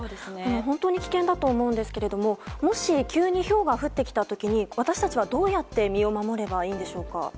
本当に危険だと思うんですけれどもし急にひょうが降ってきた時に私たちはどうやって身を守ればいいんでしょうか？